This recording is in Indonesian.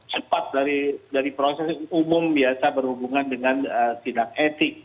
cepat dari proses umum biasa berhubungan dengan tindak etik